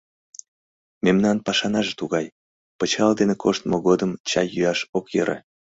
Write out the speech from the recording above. Мемнан пашанаже тугай, пычал дене коштмо годым чай йӱаш ок йӧрӧ.